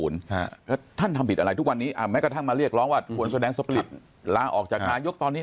แล้วท่านทำผิดอะไรทุกวันนี้แม้กระทั่งมาเรียกร้องว่าควรแสดงสปริตลาออกจากนายกตอนนี้